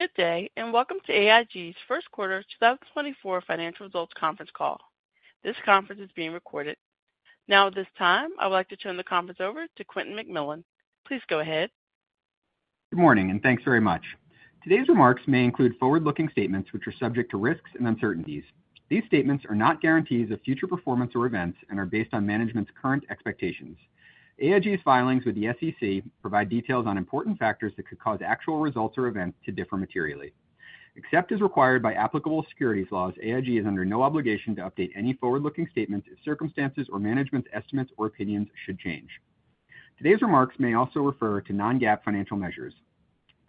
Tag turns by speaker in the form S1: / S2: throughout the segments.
S1: Good day, and welcome to AIG's First Quarter 2024 Financial Results Conference Call. This conference is being recorded. Now, at this time, I would like to turn the conference over to Quentin McMillan. Please go ahead.
S2: Good morning, and thanks very much. Today's remarks may include forward-looking statements, which are subject to risks and uncertainties. These statements are not guarantees of future performance or events and are based on management's current expectations. AIG's filings with the SEC provide details on important factors that could cause actual results or events to differ materially. Except as required by applicable securities laws, AIG is under no obligation to update any forward-looking statements if circumstances or management's estimates or opinions should change. Today's remarks may also refer to non-GAAP financial measures.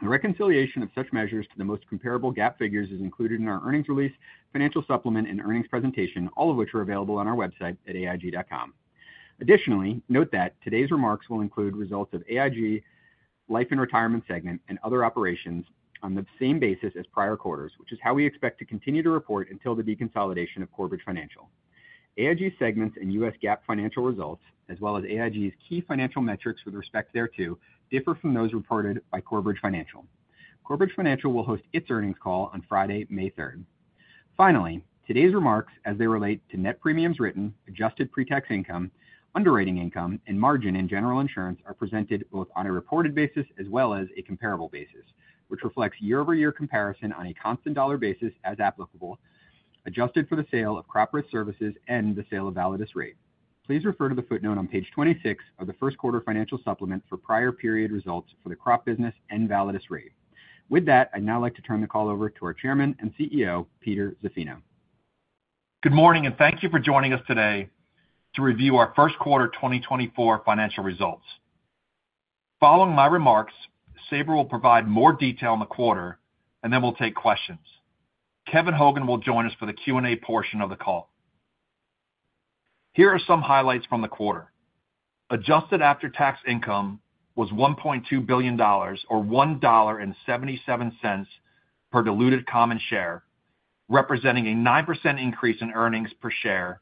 S2: The reconciliation of such measures to the most comparable GAAP figures is included in our earnings release, financial supplement, and earnings presentation, all of which are available on our website at aig.com. Additionally, note that today's remarks will include results of AIG Life and Retirement segment and other operations on the same basis as prior quarters, which is how we expect to continue to report until the deconsolidation of Corebridge Financial. AIG segments and U.S. GAAP financial results, as well as AIG's key financial metrics with respect thereto, differ from those reported by Corebridge Financial. Corebridge Financial will host its earnings call on Friday, May 3rd. Finally, today's remarks, as they relate to net premiums written, adjusted pretax income, underwriting income, and margin General Insurance, are presented both on a reported basis as well as a comparable basis, which reflects year-over-year comparison on a constant dollar basis, as applicable, adjusted for the sale of Crop Risk Services and the sale of Validus Re. Please refer to the footnote on page 26 of the first quarter financial supplement for prior period results for the crop business and Validus Re. With that, I'd now like to turn the call over to our Chairman and CEO, Peter Zaffino.
S3: Good morning, and thank you for joining us today to review our First Quarter 2024 Financial Results. Following my remarks, Sabra will provide more detail on the quarter, and then we'll take questions. Kevin Hogan will join us for the Q&A portion of the call. Here are some highlights from the quarter. Adjusted After-Tax Income was $1.2 billion, or $1.77 per diluted common share, representing a 9% increase in earnings per share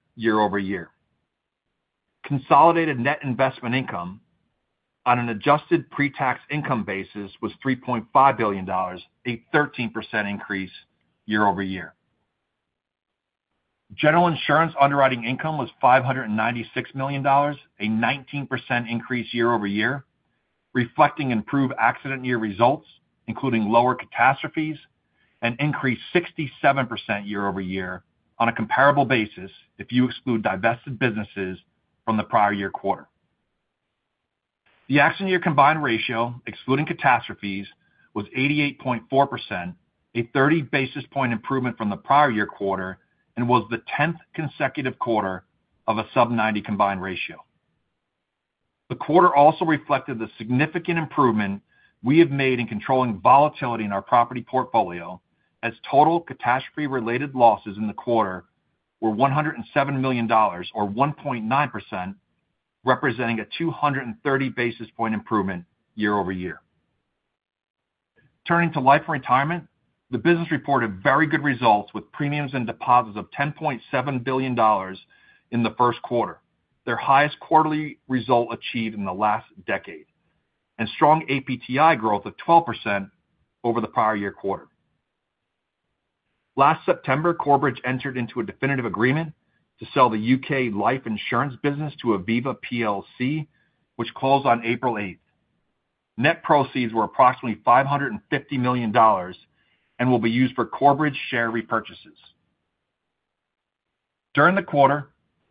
S3: year-over-year. Consolidated net investment income on an Adjusted Pretax Income basis was $3.5 billion, a 13% increase year-over-year. General Insurance underwriting income was $596 million, a 19% increase year-over-year, reflecting improved accident year results, including lower catastrophes, and increased 67% year-over-year on a comparable basis if you exclude divested businesses from the prior year quarter. The accident year combined ratio, excluding catastrophes, was 88.4%, a 30 basis point improvement from the prior year quarter, and was the 10th consecutive quarter of a sub-90 combined ratio. The quarter also reflected the significant improvement we have made in controlling volatility in our Property portfolio, as total catastrophe-related losses in the quarter were $107 million, or 1.9%, representing a 230 basis point improvement year-over-year. Turning to Life and Retirement, the business reported very good results, with premiums and deposits of $10.7 billion in the first quarter, their highest quarterly result achieved in the last decade, and strong APTI growth of 12% over the prior year quarter. Last September, Corebridge entered into a definitive agreement to sell the U.K. Life Insurance business to Aviva plc, which closed on April eighth. Net proceeds were approximately $550 million and will be used for Corebridge share repurchases. During the quarter,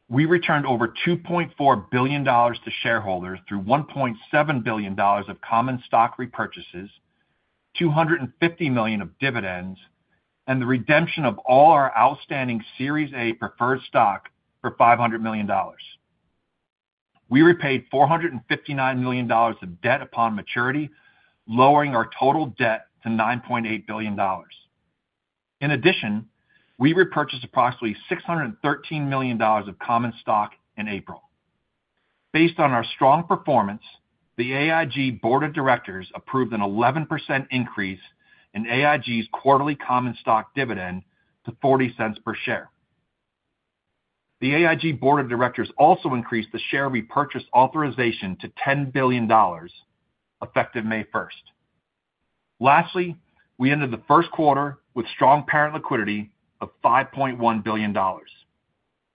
S3: we returned over $2.4 billion to shareholders through $1.7 billion of common stock repurchases, $250 million of dividends, and the redemption of all our outstanding Series A preferred stock for $500 million. We repaid $459 million of debt upon maturity, lowering our total debt to $9.8 billion. In addition, we repurchased approximately $613 million of common stock in April. Based on our strong performance, the AIG Board of Directors approved an 11% increase in AIG's quarterly common stock dividend to $0.40 per share. The AIG Board of Directors also increased the share repurchase authorization to $10 billion, effective May first. Lastly, we ended the first quarter with strong parent liquidity of $5.1 billion.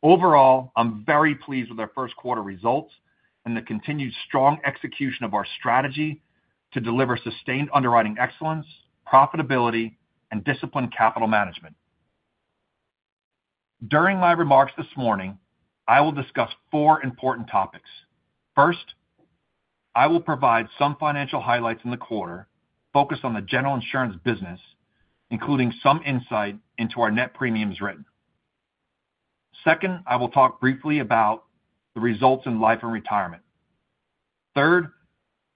S3: Overall, I'm very pleased with our first quarter results and the continued strong execution of our strategy to deliver sustained underwriting excellence, profitability, and disciplined capital management. During my remarks this morning, I will discuss four important topics. First, I will provide some financial highlights in the quarter, focused on the General Insurance business, including some insight into our net premiums written. Second, I will talk briefly about the results in Life and Retirement. Third,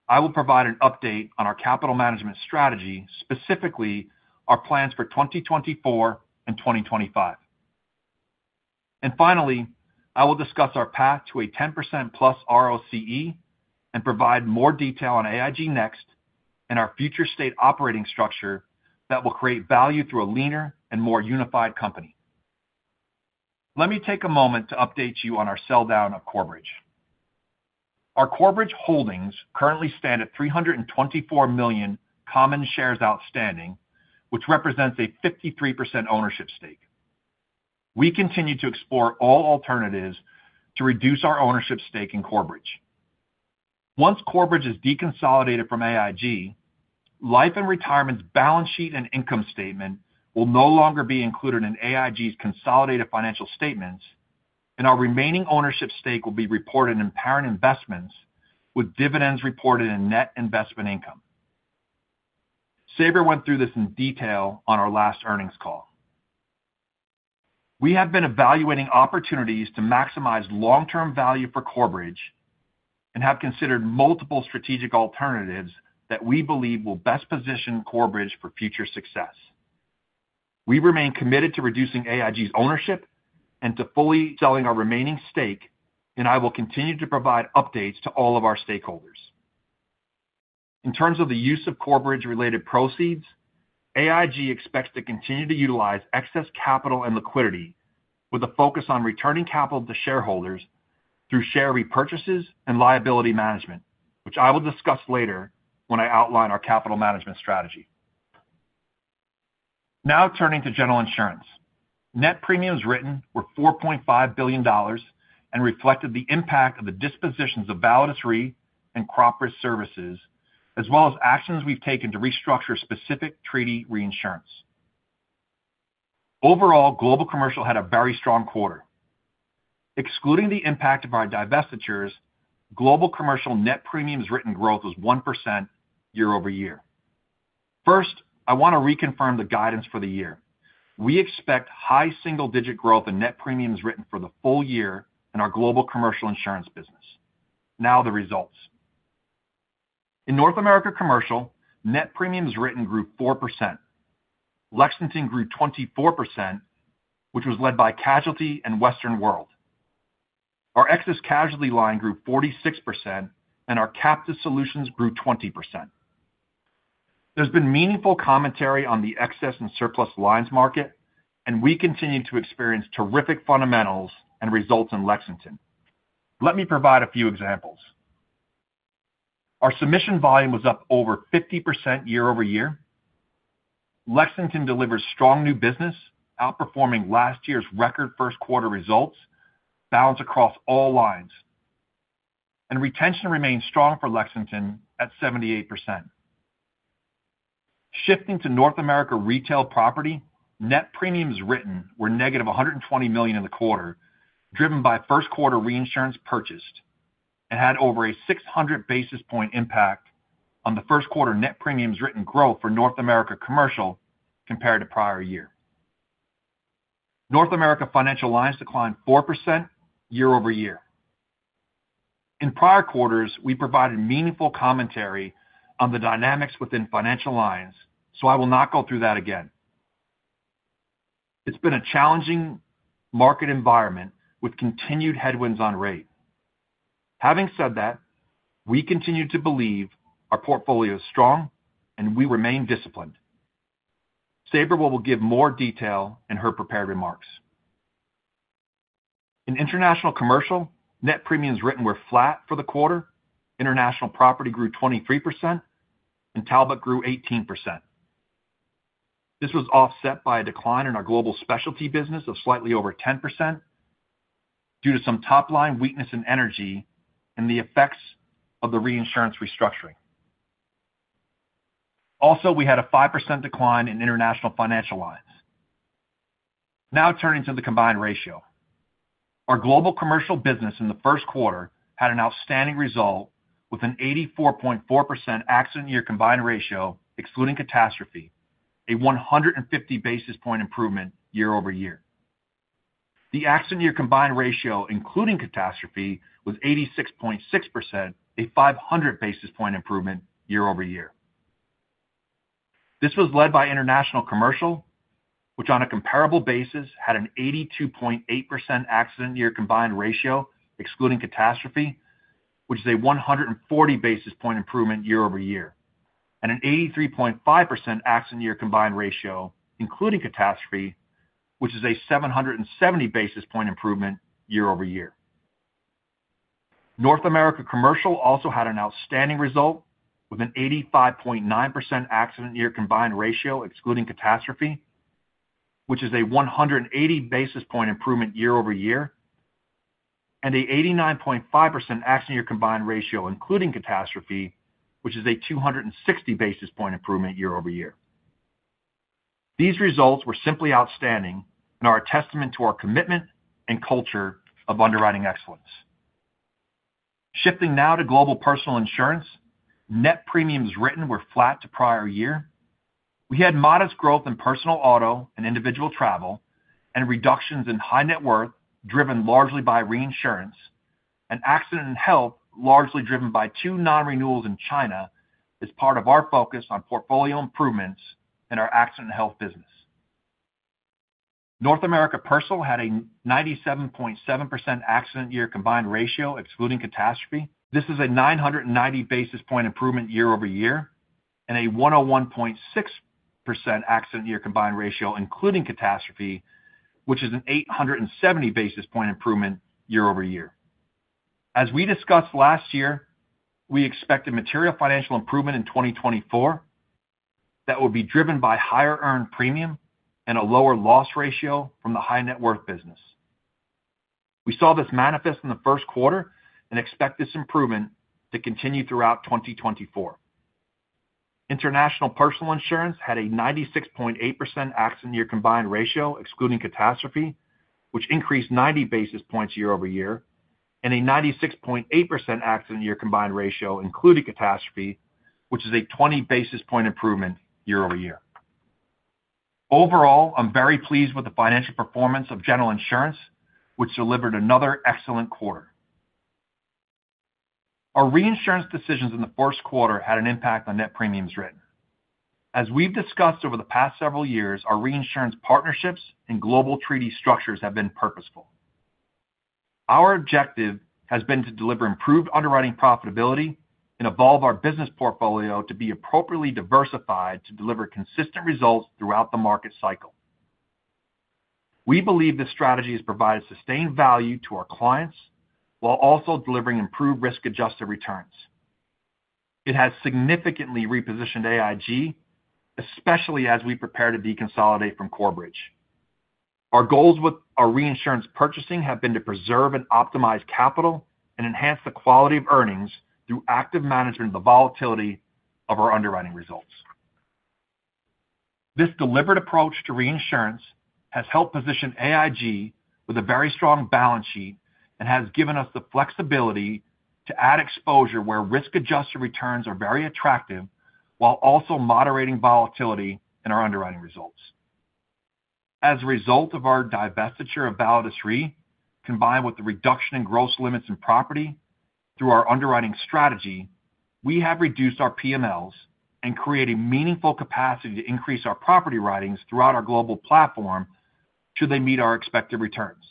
S3: I will provide an update on our capital management strategy, specifically our plans for 2024 and 2025. And finally, I will discuss our path to a 10%+ ROCE and provide more detail on AIG Next and our future state operating structure that will create value through a leaner and more unified company. Let me take a moment to update you on our sell-down of Corebridge. Our Corebridge holdings currently stand at 324 million common shares outstanding, which represents a 53% ownership stake. We continue to explore all alternatives to reduce our ownership stake in Corebridge. Once Corebridge is deconsolidated from AIG, life and retirement's balance sheet and income statement will no longer be included in AIG's consolidated financial statements, and our remaining ownership stake will be reported in parent investments, with dividends reported in net investment income. Sabra went through this in detail on our last earnings call. We have been evaluating opportunities to maximize long-term value for Corebridge and have considered multiple strategic alternatives that we believe will best position Corebridge for future success. We remain committed to reducing AIG's ownership and to fully selling our remaining stake, and I will continue to provide updates to all of our stakeholders. In terms of the use of Corebridge-related proceeds, AIG expects to continue to utilize excess capital and liquidity with a focus on returning capital to shareholders through share repurchases and liability management, which I will discuss later when I outline our capital management strategy. Now turning to General Insurance. net premiums written were $4.5 billion and reflected the impact of the dispositions of Validus Re and Crop Risk Services, as well as actions we've taken to restructure specific treaty reinsurance. Overall, global commercial had a very strong quarter. Excluding the impact of our divestitures, Global Commercial net premiums written growth was 1% year-over-year. First, I want to reconfirm the guidance for the year. We expect high single-digit growth in net premiums written for the full year in our global commercial insurance business. Now the results. In North America Commercial, net premiums written grew 4%. Lexington grew 24%, which was led by Casualty and Western World. Our Excess Casualty line grew 46%, and our captive solutions grew 20%. There's been meaningful commentary on the excess and surplus lines market, and we continue to experience terrific fundamentals and results in Lexington. Let me provide a few examples. Our submission volume was up over 50% year-over-year. Lexington delivered strong new business, outperforming last year's record first quarter results, balanced across all lines, and retention remains strong for Lexington at 78%. Shifting to North America Retail Property, net premiums written were negative $120 million in the quarter, driven by first quarter reinsurance purchased and had over a 600 basis point impact on the first quarter net premiums written growth for North America Commercial compared to prior year. North America Financial Lines declined 4% year-over-year. In prior quarters, we provided meaningful commentary on the dynamics within Financial Lines, so I will not go through that again. It's been a challenging market environment with continued headwinds on rate. Having said that, we continue to believe our portfolio is strong, and we remain disciplined. Sabra will give more detail in her prepared remarks. In International Commercial, net premiums written were flat for the quarter. International Property grew 23%, and Talbot grew 18%. This was offset by a decline in our Global Specialty business of slightly over 10% due to some top-line weakness in Energy and the effects of the reinsurance restructuring. Also, we had a 5% decline international Financial Lines. Now turning to the combined ratio. Our global commercial business in the first quarter had an outstanding result with an 84.4% accident year combined ratio, excluding catastrophe, a 150 basis point improvement year-over-year. The accident year combined ratio, including catastrophe, was 86.6%, a 500 basis point improvement year-over-year. This was led by International Commercial, which, on a comparable basis, had an 82.8% accident year combined ratio, excluding catastrophe, which is a 140 basis point improvement year-over-year, and an 83.5% accident year combined ratio, including catastrophe, which is a 770 basis point improvement year-over-year. North America Commercial also had an outstanding result with an 85.9% accident year combined ratio, excluding catastrophe, which is a 180 basis point improvement year-over-year, and an 89.5% accident year combined ratio, including catastrophe, which is a 260 basis point improvement year-over-year. These results were simply outstanding and are a testament to our commitment and culture of underwriting excellence. Shifting now to Global Personal Insurance. Net premiums written were flat to prior year. We had modest growth in Personal Auto and Individual Travel and reductions in High Net Worth, driven largely by reinsurance, and Accident and Health, largely driven by two non-renewals in China, as part of our focus on portfolio improvements in our Accident and Health business. North America Personal had a 97.7% accident year combined ratio, excluding catastrophe. This is a 990 basis point improvement year-over-year, and a 101.6% accident year combined ratio, including catastrophe, which is an 870 basis point improvement year-over-year. As we discussed last year, we expect a material financial improvement in 2024 that will be driven by higher earned premium and a lower loss ratio from the High Net Worth business. We saw this manifest in the first quarter and expect this improvement to continue throughout 2024. International Personal Insurance had a 96.8% accident year combined ratio, excluding catastrophe, which increased 90 basis points year-over-year, and a 96.8% accident year combined ratio, including catastrophe, which is a 20 basis point improvement year-over-year. Overall, I'm very pleased with the financial performance of General Insurance, which delivered another excellent quarter. Our reinsurance decisions in the first quarter had an impact on net premiums written. As we've discussed over the past several years, our reinsurance partnerships and global treaty structures have been purposeful. Our objective has been to deliver improved underwriting profitability and evolve our business portfolio to be appropriately diversified, to deliver consistent results throughout the market cycle. We believe this strategy has provided sustained value to our clients, while also delivering improved risk-adjusted returns. It has significantly repositioned AIG, especially as we prepare to deconsolidate from Corebridge. Our goals with our reinsurance purchasing have been to preserve and optimize capital and enhance the quality of earnings through active management of the volatility of our underwriting results. This deliberate approach to reinsurance has helped position AIG with a very strong balance sheet and has given us the flexibility to add exposure where risk-adjusted returns are very attractive, while also moderating volatility in our underwriting results. As a result of our divestiture of Validus Re, combined with the reduction in gross limits in property through our underwriting strategy, we have reduced our PMLs and created meaningful capacity to increase our Property writings throughout our global platform should they meet our expected returns.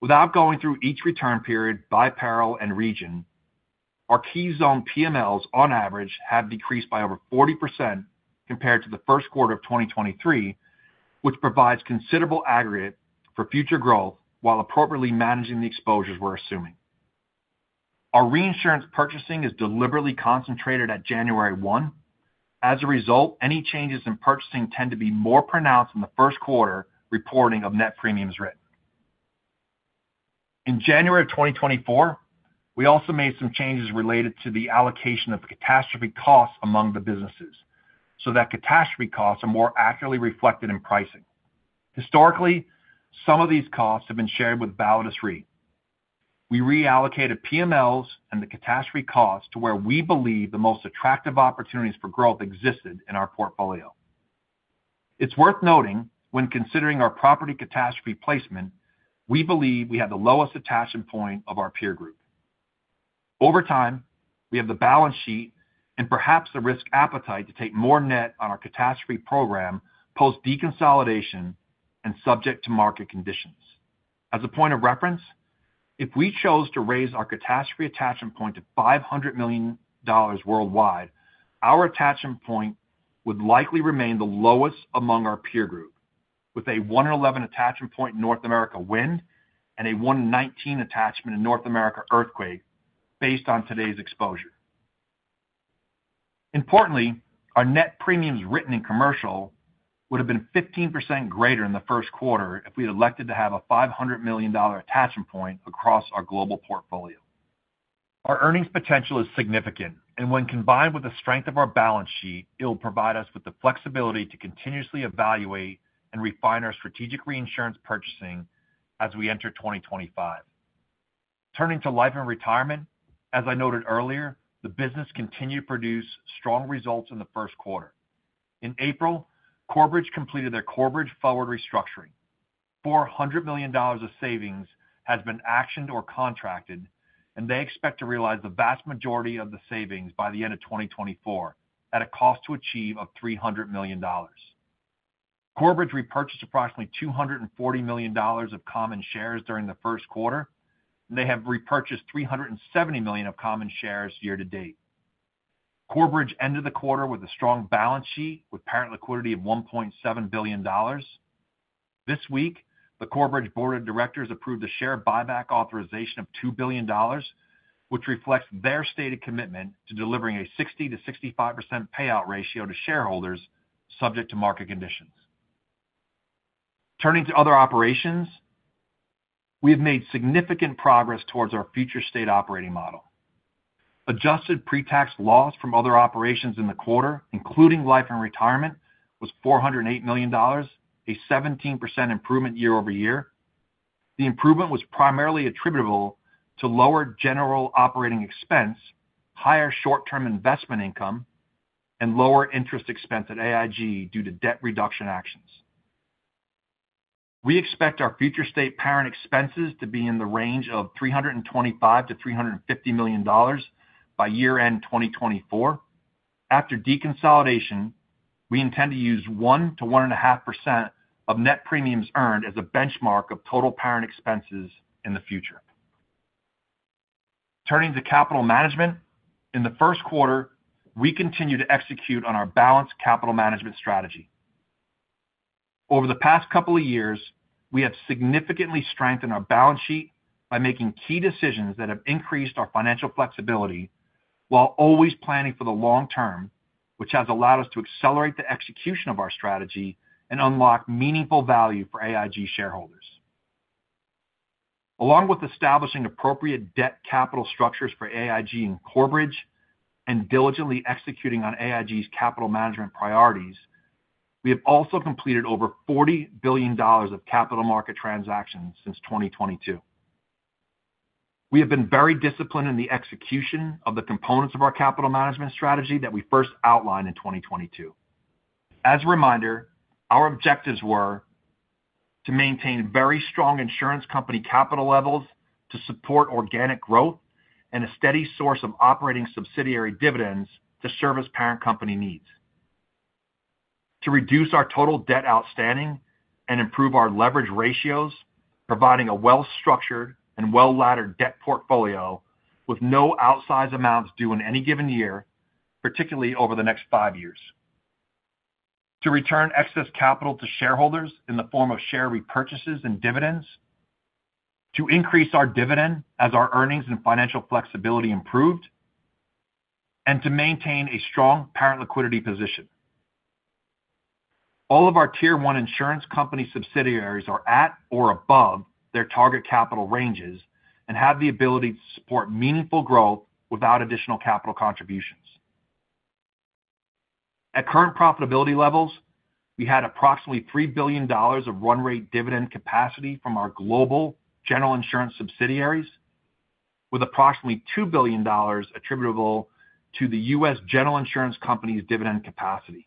S3: Without going through each return period by peril and region, our key zone PMLs, on average, have decreased by over 40% compared to the first quarter of 2023, which provides considerable aggregate for future growth while appropriately managing the exposures we're assuming. Our reinsurance purchasing is deliberately concentrated at January 1. As a result, any changes in purchasing tend to be more pronounced in the first quarter reporting of net premiums written. In January of 2024, we also made some changes related to the allocation of catastrophe costs among the businesses, so that catastrophe costs are more accurately reflected in pricing. Historically, some of these costs have been shared with Validus Re. We reallocated PMLs and the catastrophe costs to where we believe the most attractive opportunities for growth existed in our portfolio. It's worth noting, when considering our Property catastrophe placement, we believe we have the lowest attachment point of our peer group. Over time, we have the balance sheet and perhaps the risk appetite to take more net on our catastrophe program, post deconsolidation and subject to market conditions. As a point of reference, if we chose to raise our catastrophe attachment point to $500 million worldwide, our attachment point would likely remain the lowest among our peer group, with a one in 11 attachment point in North America wind and a one in 19 attachment in North America earthquake, based on today's exposure. Importantly, our net premiums written in commercial would have been 15% greater in the first quarter if we had elected to have a $500 million attachment point across our global portfolio. Our earnings potential is significant, and when combined with the strength of our balance sheet, it will provide us with the flexibility to continuously evaluate and refine our strategic reinsurance purchasing as we enter 2025. Turning to life and retirement, as I noted earlier, the business continued to produce strong results in the first quarter. In April, Corebridge completed their Corebridge Forward restructuring. $400 million of savings has been actioned or contracted, and they expect to realize the vast majority of the savings by the end of 2024 at a cost to achieve of $300 million. Corebridge repurchased approximately $240 million of common shares during the first quarter, and they have repurchased $370 million of common shares year to date. Corebridge ended the quarter with a strong balance sheet, with parent liquidity of $1.7 billion. This week, the Corebridge Board of Directors approved a share buyback authorization of $2 billion, which reflects their stated commitment to delivering a 60%-65% payout ratio to shareholders, subject to market conditions. Turning to other operations, we have made significant progress towards our future state operating model. Adjusted pre-tax loss from other operations in the quarter, including life and retirement, was $408 million, a 17% improvement year-over-year. The improvement was primarily attributable to lower general operating expense, higher short-term investment income, and lower interest expense at AIG due to debt reduction actions. We expect our future state parent expenses to be in the range of $325 million-$350 million by year-end 2024. After deconsolidation, we intend to use 1%-1.5% of net premiums earned as a benchmark of total parent expenses in the future.... Turning to capital management. In the first quarter, we continued to execute on our balanced capital management strategy. Over the past couple of years, we have significantly strengthened our balance sheet by making key decisions that have increased our financial flexibility, while always planning for the long term, which has allowed us to accelerate the execution of our strategy and unlock meaningful value for AIG shareholders. Along with establishing appropriate debt capital structures for AIG and Corebridge, and diligently executing on AIG's capital management priorities, we have also completed over $40 billion of capital market transactions since 2022. We have been very disciplined in the execution of the components of our capital management strategy that we first outlined in 2022. As a reminder, our objectives were: to maintain very strong insurance company capital levels to support organic growth and a steady source of operating subsidiary dividends to service parent company needs. To reduce our total debt outstanding and improve our leverage ratios, providing a well-structured and well-laddered debt portfolio with no outsized amounts due in any given year, particularly over the next five years. To return excess capital to shareholders in the form of share repurchases and dividends, to increase our dividend as our earnings and financial flexibility improved, and to maintain a strong parent liquidity position. All of our Tier 1 insurance company subsidiaries are at or above their target capital ranges and have the ability to support meaningful growth without additional capital contributions. At current profitability levels, we had approximately $3 billion of run rate dividend capacity from our global General Insurance subsidiaries, with approximately $2 billion attributable to the U.S. General Insurance Company's dividend capacity.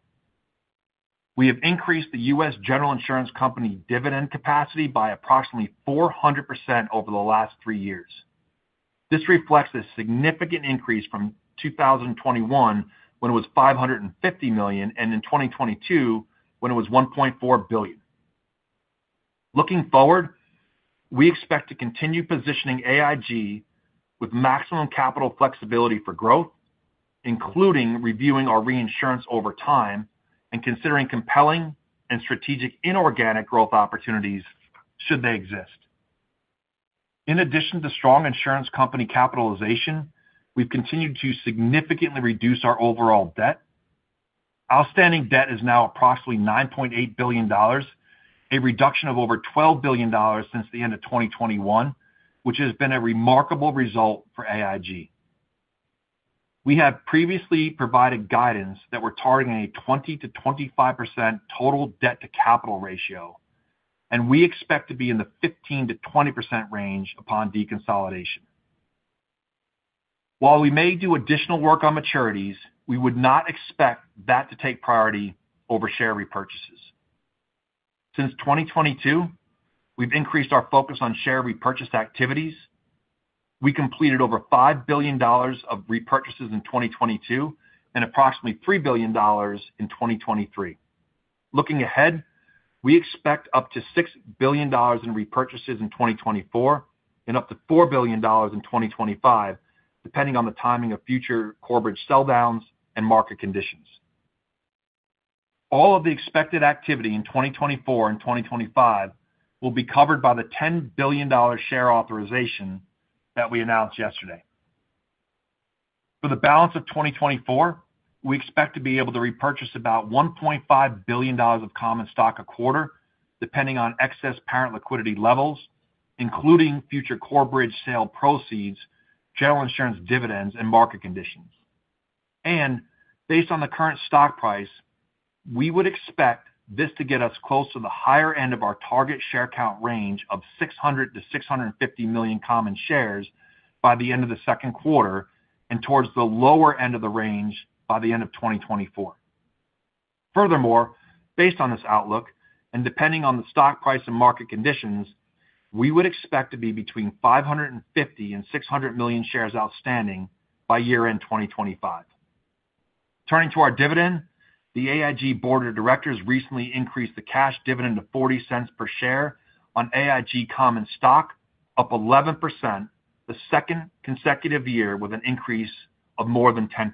S3: We have increased the U.S. General Insurance Company dividend capacity by approximately 400% over the last three years. This reflects a significant increase from 2021, when it was $550 million, and in 2022, when it was $1.4 billion. Looking forward, we expect to continue positioning AIG with maximum capital flexibility for growth, including reviewing our reinsurance over time and considering compelling and strategic inorganic growth opportunities should they exist. In addition to strong insurance company capitalization, we've continued to significantly reduce our overall debt. Outstanding debt is now approximately $9.8 billion, a reduction of over $12 billion since the end of 2021, which has been a remarkable result for AIG. We have previously provided guidance that we're targeting a 20%-25% total debt-to-capital ratio, and we expect to be in the 15%-20% range upon deconsolidation. While we may do additional work on maturities, we would not expect that to take priority over share repurchases. Since 2022, we've increased our focus on share repurchase activities. We completed over $5 billion of repurchases in 2022 and approximately $3 billion in 2023. Looking ahead, we expect up to $6 billion in repurchases in 2024 and up to $4 billion in 2025, depending on the timing of future Corebridge sell downs and market conditions. All of the expected activity in 2024 and 2025 will be covered by the $10 billion share authorization that we announced yesterday. For the balance of 2024, we expect to be able to repurchase about $1.5 billion of common stock a quarter, depending on excess parent liquidity levels, including future Corebridge sale proceeds, General Insurance dividends, and market conditions. Based on the current stock price, we would expect this to get us close to the higher end of our target share count range of 600-650 million common shares by the end of the second quarter and towards the lower end of the range by the end of 2024. Furthermore, based on this outlook, and depending on the stock price and market conditions, we would expect to be between 550 and 600 million shares outstanding by year-end 2025. Turning to our dividend, the AIG Board of Directors recently increased the cash dividend to $0.40 per share on AIG common stock, up 11%, the second consecutive year with an increase of more than 10%.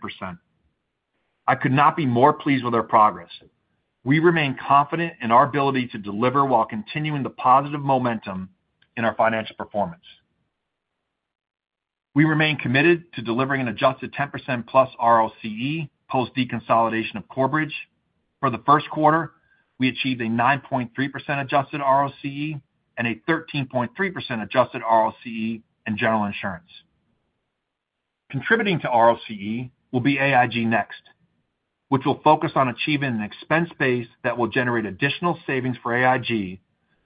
S3: I could not be more pleased with our progress. We remain confident in our ability to deliver while continuing the positive momentum in our financial performance. We remain committed to delivering an adjusted 10%+ ROCE post-deconsolidation of Corebridge. For the first quarter, we achieved a 9.3% adjusted ROCE and a 13.3% adjusted ROCE in General Insurance. Contributing to ROCE will be AIG Next, which will focus on achieving an expense base that will generate additional savings for AIG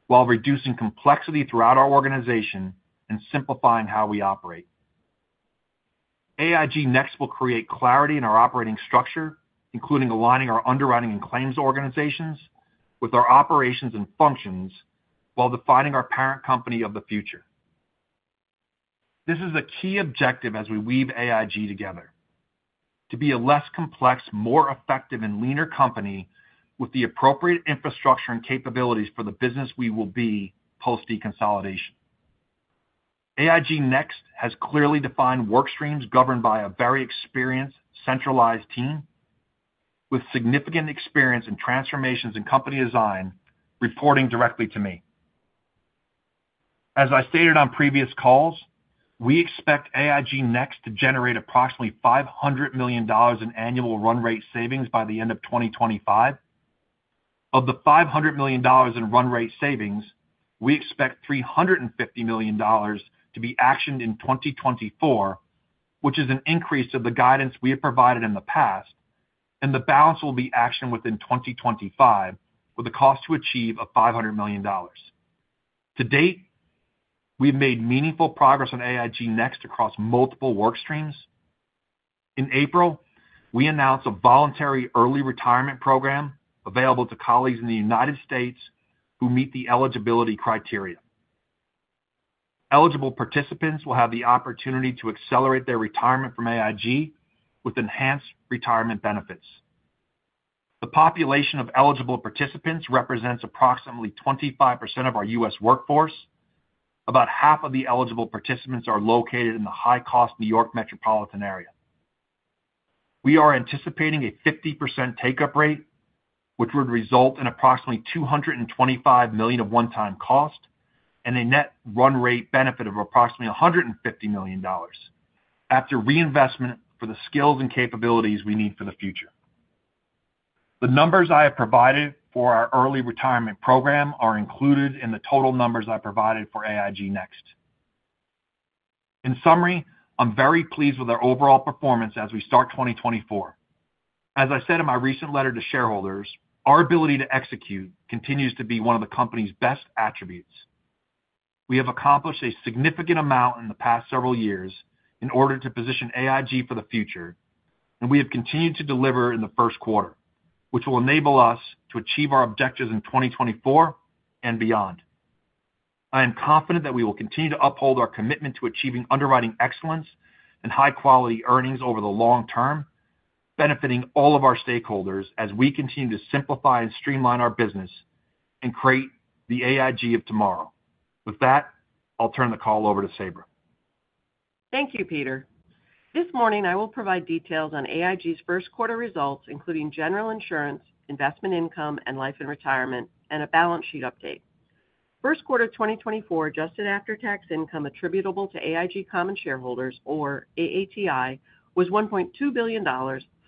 S3: while reducing complexity throughout our organization and simplifying how we operate. AIG Next will create clarity in our operating structure, including aligning our underwriting and claims organizations with our operations and functions, while defining our parent company of the future. This is a key objective as we weave AIG together to be a less complex, more effective, and leaner company with the appropriate infrastructure and capabilities for the business we will be post-deconsolidation. AIG Next has clearly defined work streams governed by a very experienced, centralized team with significant experience in transformations and company design, reporting directly to me. As I stated on previous calls, we expect AIG Next to generate approximately $500 million in annual run rate savings by the end of 2025. Of the $500 million in run rate savings, we expect $350 million to be actioned in 2024, which is an increase of the guidance we have provided in the past, and the balance will be actioned within 2025, with a cost to achieve of $500 million. To date, we've made meaningful progress on AIG Next across multiple work streams. In April, we announced a voluntary early retirement program available to colleagues in the United States who meet the eligibility criteria. Eligible participants will have the opportunity to accelerate their retirement from AIG with enhanced retirement benefits. The population of eligible participants represents approximately 25% of our U.S. workforce. About half of the eligible participants are located in the high-cost New York metropolitan area. We are anticipating a 50% take-up rate, which would result in approximately $225 million of one-time cost and a net run rate benefit of approximately $150 million, after reinvestment for the skills and capabilities we need for the future. The numbers I have provided for our early retirement program are included in the total numbers I provided for AIG Next. In summary, I'm very pleased with our overall performance as we start 2024. As I said in my recent letter to shareholders, our ability to execute continues to be one of the company's best attributes. We have accomplished a significant amount in the past several years in order to position AIG for the future, and we have continued to deliver in the first quarter, which will enable us to achieve our objectives in 2024 and beyond. I am confident that we will continue to uphold our commitment to achieving underwriting excellence and high-quality earnings over the long term, benefiting all of our stakeholders as we continue to simplify and streamline our business and create the AIG of tomorrow. With that, I'll turn the call over to Sabra.
S4: Thank you, Peter. This morning, I will provide details on AIG's first quarter results, including General Insurance, Investment Income, and Life and Retirement, and a balance sheet update. First quarter of 2024, adjusted after-tax income attributable to AIG common shareholders, or AATI, was $1.2 billion,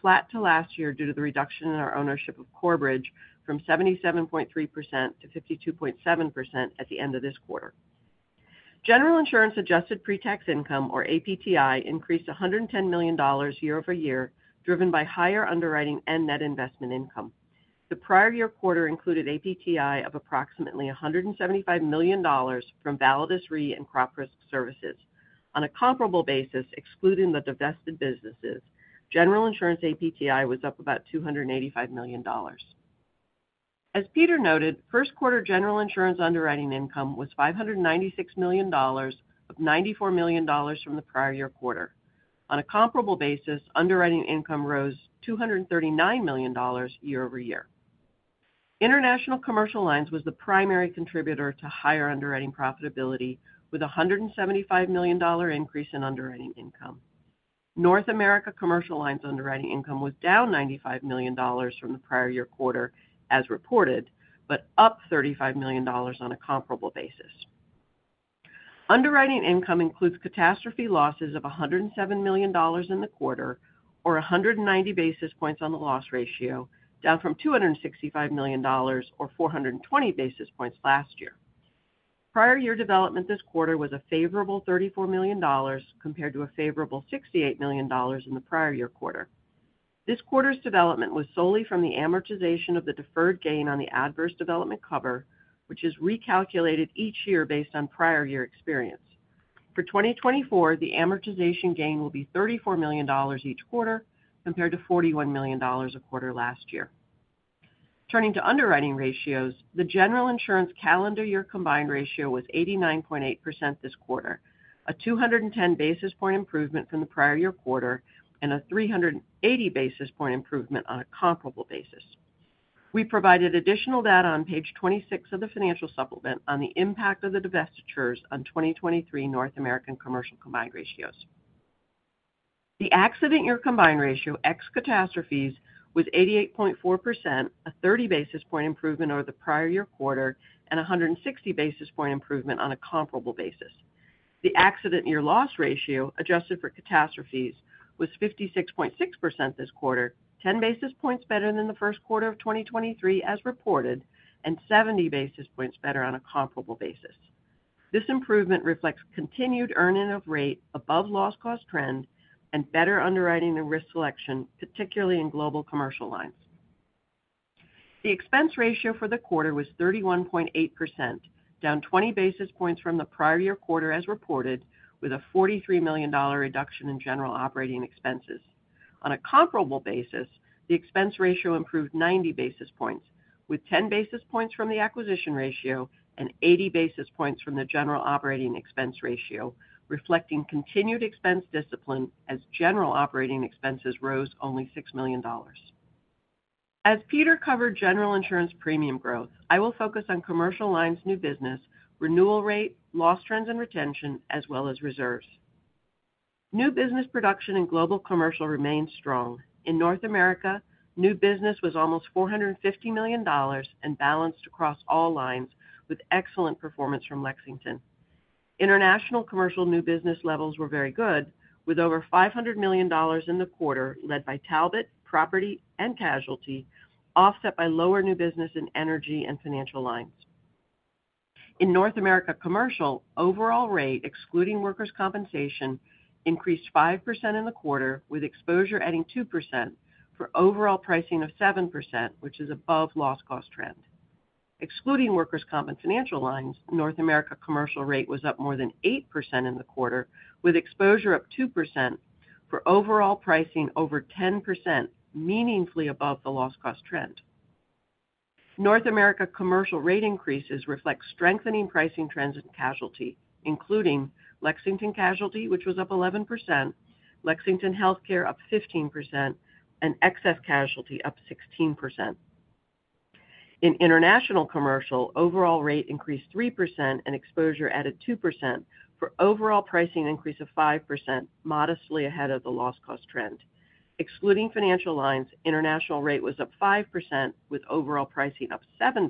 S4: flat to last year due to the reduction in our ownership of Corebridge from 77.3% to 52.7% at the end of this quarter. General Insurance adjusted pretax income, or APTI, increased $110 million year-over-year, driven by higher underwriting and net investment income. The prior year quarter included APTI of approximately $175 million from Validus Re and Crop Risk Services. On a comparable basis, excluding the divested businesses, General Insurance APTI was up about $285 million. As Peter noted, first quarter General Insurance underwriting income was $596 million, up $94 million from the prior year quarter. On a comparable basis, underwriting income rose $239 million year-over-year. International Commercial Lines was the primary contributor to higher underwriting profitability, with a $175 million-dollar increase in underwriting income. North America Commercial Lines underwriting income was down $95 million from the prior year quarter as reported, but up $35 million on a comparable basis. Underwriting income includes catastrophe losses of $107 million in the quarter, or 190 basis points on the loss ratio, down from $265 million, or 420 basis points last year. Prior year development this quarter was a favorable $34 million, compared to a favorable $68 million in the prior year quarter. This quarter's development was solely from the amortization of the deferred gain on the adverse development cover, which is recalculated each year based on prior year experience. For 2024, the amortization gain will be $34 million each quarter, compared to $41 million a quarter last year. Turning to underwriting ratios, the General Insurance calendar year combined ratio was 89.8% this quarter, a 210 basis point improvement from the prior year quarter and a 380 basis point improvement on a comparable basis. We provided additional data on page 26 of the financial supplement on the impact of the divestitures on 2023 North American commercial combined ratios. The accident year combined ratio, ex catastrophes, was 88.4%, a 30 basis point improvement over the prior year quarter, and a 160 basis point improvement on a comparable basis. The accident year loss ratio, adjusted for catastrophes, was 56.6% this quarter, 10 basis points better than the first quarter of 2023 as reported, and 70 basis points better on a comparable basis. This improvement reflects continued earn-in of rate above loss cost trend and better underwriting and risk selection, particularly in global commercial lines. The expense ratio for the quarter was 31.8%, down 20 basis points from the prior year quarter as reported, with a $43 million reduction in general operating expenses. On a comparable basis, the expense ratio improved 90 basis points. with 10 basis points from the acquisition ratio and 80 basis points from the general operating expense ratio, reflecting continued expense discipline as general operating expenses rose only $6 million. As Peter covered General Insurance premium growth, I will focus on commercial lines, new business, renewal rate, loss trends, and retention, as well as reserves. New business production in global commercial remains strong. In North America, new business was almost $450 million and balanced across all lines, with excellent performance from Lexington. International commercial new business levels were very good, with over $500 million in the quarter, led by Talbot, Property and Casualty, offset by lower new business in Energy and Financial Lines. In North America commercial, overall rate, excluding workers' compensation, increased 5% in the quarter, with exposure adding 2% for overall pricing of 7%, which is above loss cost trend. Excluding workers' comp and Financial Lines, North America commercial rate was up more than 8% in the quarter, with exposure up 2% for overall pricing over 10%, meaningfully above the loss cost trend. North America commercial rate increases reflect strengthening pricing trends in casualty, including Lexington Casualty, which was up 11%, Lexington Healthcare up 15%, and Excess Casualty up 16%. In international commercial, overall rate increased 3% and exposure added 2% for overall pricing increase of 5%, modestly ahead of the loss cost trend. Excluding Financial Lines, international rate was up 5%, with overall pricing up 7%,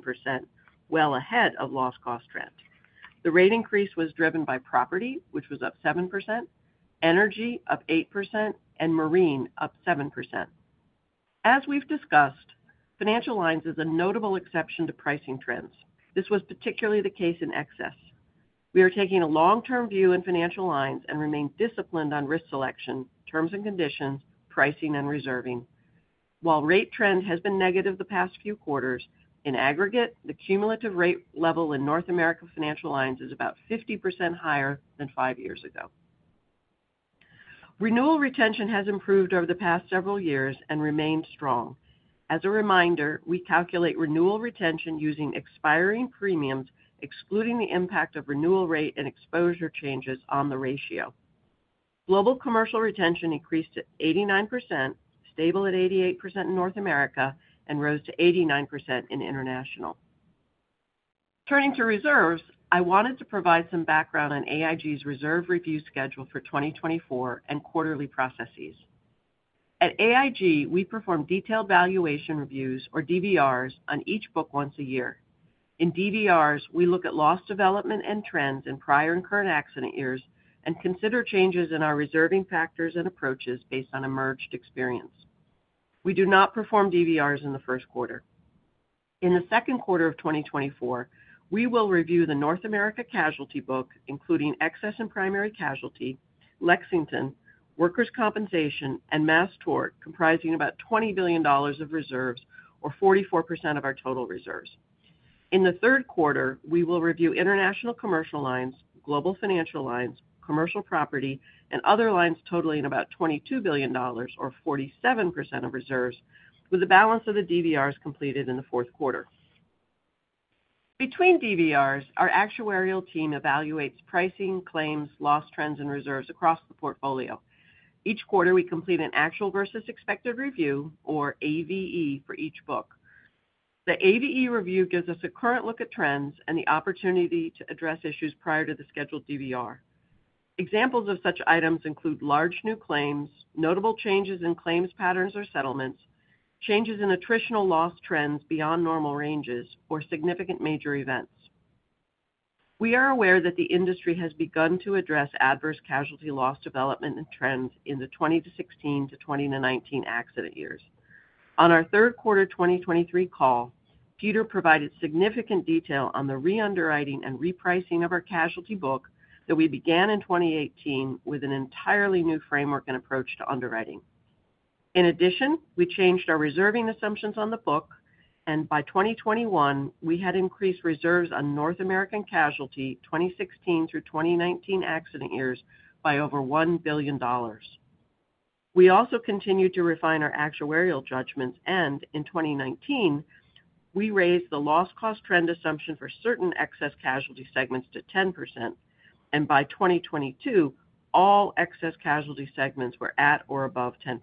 S4: well ahead of loss cost trend. The rate increase was driven by property, which was up 7%, Energy, up 8%, and Marine, up 7%. As we've discussed, Financial Lines is a notable exception to pricing trends. This was particularly the case in excess. We are taking a long-term view in Financial Lines and remain disciplined on risk selection, terms and conditions, pricing and reserving. While rate trend has been negative the past few quarters, in aggregate, the cumulative rate level north america Financial Lines is about 50% higher than five years ago. Renewal retention has improved over the past several years and remains strong. As a reminder, we calculate renewal retention using expiring premiums, excluding the impact of renewal rate and exposure changes on the ratio. Global commercial retention increased to 89%, stable at 88% in North America, and rose to 89% in international. Turning to reserves, I wanted to provide some background on AIG's reserve review schedule for 2024 and quarterly processes. At AIG, we perform detailed valuation reviews, or DVRs, on each book once a year. In DVRs, we look at loss development and trends in prior and current accident years and consider changes in our reserving factors and approaches based on emerged experience. We do not perform DVRs in the first quarter. In the second quarter of 2024, we will review the North America casualty book, including excess and primary casualty, Lexington, workers' compensation, and mass tort, comprising about $20 billion of reserves or 44% of our total reserves. In the third quarter, we will review international commercial lines, global Financial Lines, commercial property, and other lines totaling about $22 billion or 47% of reserves, with the balance of the DVRs completed in the fourth quarter. Between DVRs, our actuarial team evaluates pricing, claims, loss trends, and reserves across the portfolio. Each quarter, we complete an actual versus expected review, or AVE, for each book. The AVE review gives us a current look at trends and the opportunity to address issues prior to the scheduled DVR. Examples of such items include large new claims, notable changes in claims patterns or settlements, changes in attritional loss trends beyond normal ranges, or significant major events. We are aware that the industry has begun to address adverse casualty loss development and trends in the 2016-2019 accident years. On our third quarter 2023 call, Peter provided significant detail on the reunderwriting and repricing of our casualty book that we began in 2018 with an entirely new framework and approach to underwriting. In addition, we changed our reserving assumptions on the book, and by 2021, we had increased reserves on North American Casualty 2016 through 2019 accident years by over $1 billion. We also continued to refine our actuarial judgments, and in 2019, we raised the loss cost trend assumption for certain Excess Casualty segments to 10%, and by 2022, all Excess Casualty segments were at or above 10%.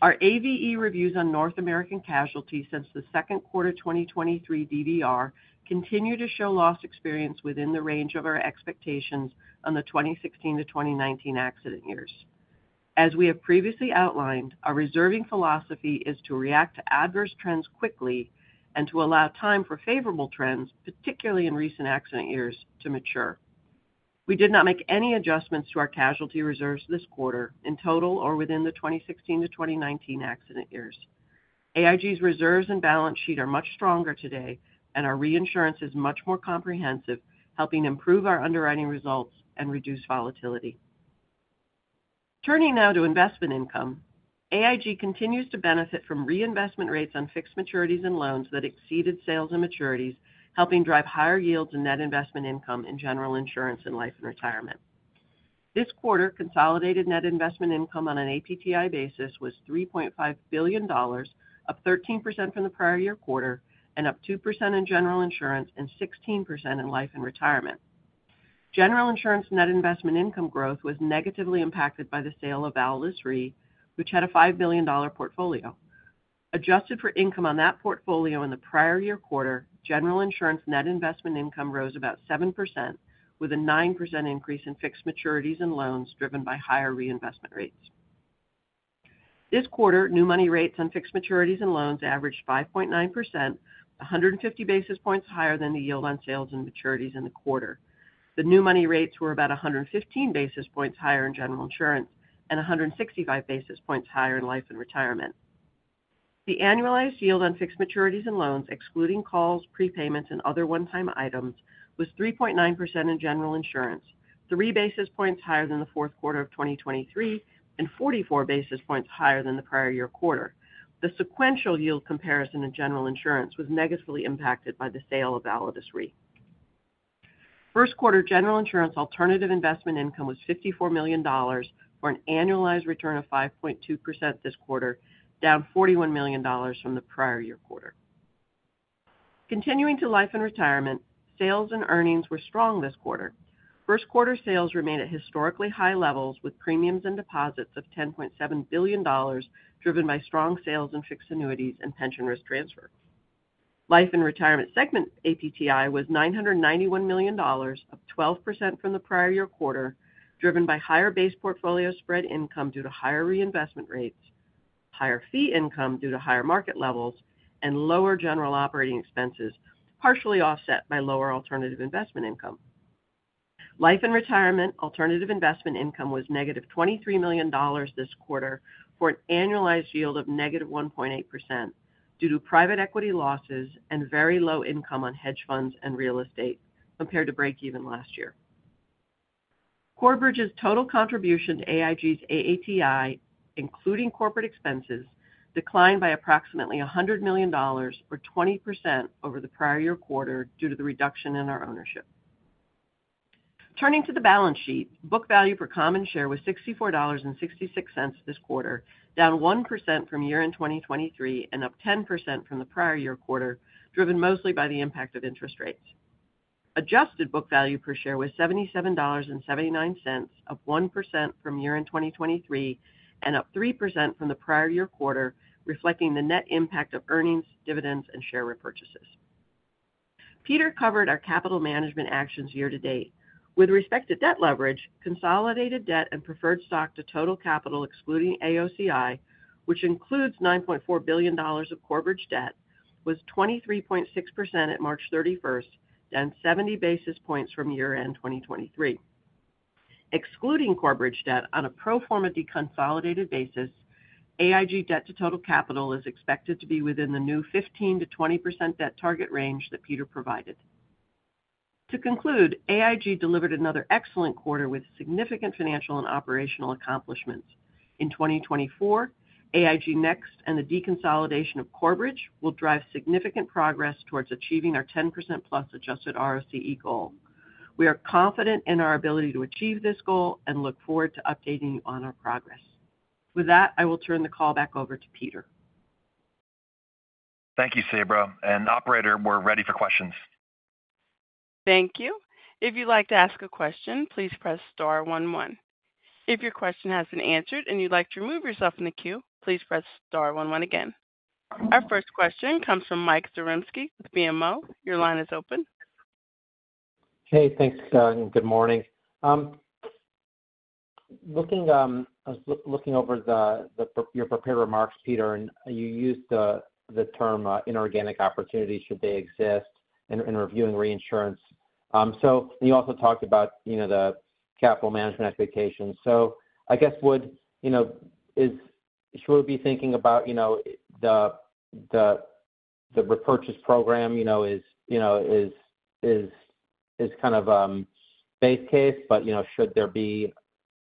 S4: Our AVE reviews on North American Casualty since the second quarter 2023 DVR continue to show loss experience within the range of our expectations on the 2016 to 2019 accident years. As we have previously outlined, our reserving philosophy is to react to adverse trends quickly and to allow time for favorable trends, particularly in recent accident years, to mature. We did not make any adjustments to our casualty reserves this quarter in total or within the 2016 to 2019 accident years. AIG's reserves and balance sheet are much stronger today, and our reinsurance is much more comprehensive, helping improve our underwriting results and reduce volatility. Turning now to investment income. AIG continues to benefit from reinvestment rates on fixed maturities and loans that exceeded sales and maturities, helping drive higher yields and net investment income in General Insurance and Life and Retirement.... This quarter, consolidated net investment income on an APTI basis was $3.5 billion, up 13% from the prior year quarter, and up 2% in General Insurance and 16% in life and retirement. General Insurance net investment income growth was negatively impacted by the sale of Validus Re, which had a $5 billion portfolio. Adjusted for income on that portfolio in the prior year quarter, General Insurance net investment income rose about 7%, with a 9% increase in fixed maturities and loans driven by higher reinvestment rates. This quarter, new money rates on fixed maturities and loans averaged 5.9%, 150 basis points higher than the yield on sales and maturities in the quarter. The new money rates were about 115 basis points higher in General Insurance and 165 basis points higher in Life and Retirement. The annualized yield on fixed maturities and loans, excluding calls, prepayments, and other one-time items, was 3.9% in General Insurance, 3 basis points higher than the fourth quarter of 2023, and 44 basis points higher than the prior year quarter. The sequential yield comparison in General Insurance was negatively impacted by the sale of Validus Re. First quarter General Insurance alternative investment income was $54 million, for an annualized return of 5.2% this quarter, down $41 million from the prior year quarter. Continuing to Life and Retirement, sales and earnings were strong this quarter. First quarter sales remained at historically high levels, with premiums and deposits of $10.7 billion, driven by strong sales in fixed annuities and pension risk transfers. Life and Retirement segment APTI was $991 million, up 12% from the prior year quarter, driven by higher base portfolio spread income due to higher reinvestment rates, higher fee income due to higher market levels, and lower general operating expenses, partially offset by lower alternative investment income. Life and Retirement alternative investment income was -$23 million this quarter, for an annualized yield of -1.8%, due to private equity losses and very low income on hedge funds and real estate compared to breakeven last year. Corebridge's total contribution to AIG's AATI, including corporate expenses, declined by approximately $100 million, or 20%, over the prior-year quarter due to the reduction in our ownership. Turning to the balance sheet, book value per common share was $64.66 this quarter, down 1% from year-end 2023 and up 10% from the prior-year quarter, driven mostly by the impact of interest rates. Adjusted book value per share was $77.79, up 1% from year-end 2023 and up 3% from the prior-year quarter, reflecting the net impact of earnings, dividends, and share repurchases. Peter covered our capital management actions year to date. With respect to debt leverage, consolidated debt and preferred stock to total capital, excluding AOCI, which includes $9.4 billion of Corebridge debt, was 23.6% at March thirty-first, down 70 basis points from year-end 2023. Excluding Corebridge debt on a pro forma deconsolidated basis, AIG debt to total capital is expected to be within the new 15%-20% debt target range that Peter provided. To conclude, AIG delivered another excellent quarter with significant financial and operational accomplishments. In 2024, AIG Next and the deconsolidation of Corebridge will drive significant progress towards achieving our 10%+ adjusted ROCE goal. We are confident in our ability to achieve this goal and look forward to updating you on our progress. With that, I will turn the call back over to Peter.
S3: Thank you, Sabra, and operator, we're ready for questions.
S1: Thank you. If you'd like to ask a question, please press star one one. If your question has been answered and you'd like to remove yourself from the queue, please press star one one again. Our first question comes from Mike Zaremski with BMO. Your line is open.
S5: Hey, thanks, and good morning. Looking over your prepared remarks, Peter, and you used the term inorganic opportunities, should they exist, in reviewing reinsurance. So you also talked about, you know, the capital management expectations. So I guess would, you know, should we be thinking about, you know, the repurchase program, you know, is kind of base case, but, you know, should there be